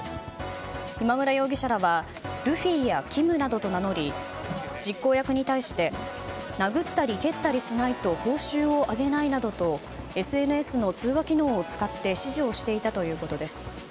今村容疑者らはルフィやキムなどと名乗り実行役に対して殴ったり蹴ったりしないと報酬をあげないなどとＳＮＳの通話機能を使って指示をしていたということです。